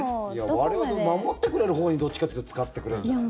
我々を守ってくれるほうにどっちかというと使ってくれるんじゃない？